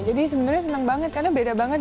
jadi sebenernya senang banget karena beda banget